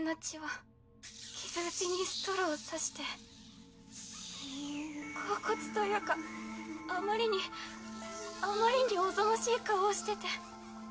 傷口にストローをさして恍惚というかあまりにあまりに悍ましい顔をしてて。